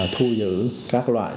thu giữ các loại